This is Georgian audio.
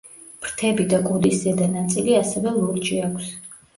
ფრთები და კუდის ზედა ნაწილი ასევე ლურჯი აქვს.